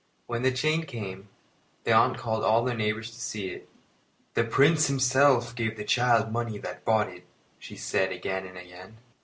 When the chain came, the aunt called all the neighbours to see it. "The Prince himself gave the child the money that bought it," she said again and again.